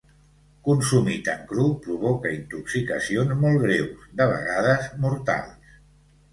Consumit en cru provoca intoxicacions molt greus, de vegades mortals.